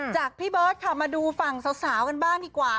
พี่เบิร์ตค่ะมาดูฝั่งสาวกันบ้างดีกว่า